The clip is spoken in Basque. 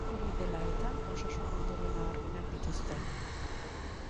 Hori dela eta, osasun-ondorio nabarmenak dituzte.